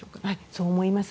そう思います。